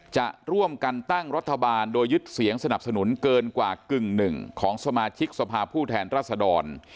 จะร่วมกันตั้งรัฐบาลโดยยึดเสียงสนับสนุนเกินกว่ากึ่งหนึ่งของสมาชิกสภาพผู้แทนรัศดร